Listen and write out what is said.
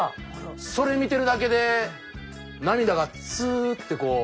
それ見てるだけで涙がツーッてこう。